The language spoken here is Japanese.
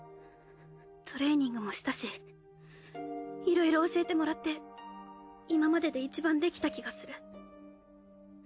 トレーニングもしたしいろいろ教えてもらって今まででいちばんできた気がする。